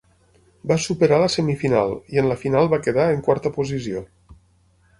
Va superar la semifinal i en la final va quedar en quarta posició.